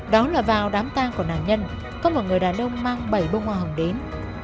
đó là vào đám tang của nạn nhân có một người đàn ông mang bảy bông hoa hồng đến